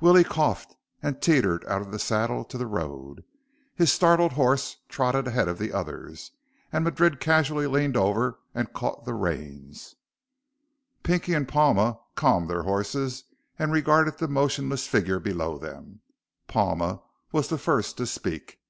Willie coughed and teetered out of the saddle to the road. His startled horse trotted ahead of the others, and Madrid casually leaned over and caught the reins. Pinky and Palma calmed their horses and regarded the motionless figure below them. Palma was the first to speak.